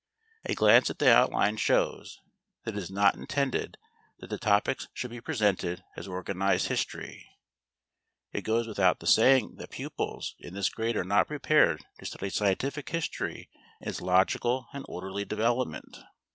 A glance at the outline shows that it is not intended that the topics should be presented as organized history. It goes without the saying that pupils in this grade are not prepared to study scientific history in its logical and orderly development.